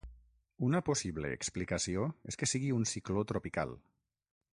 Una possible explicació és que sigui un cicló tropical.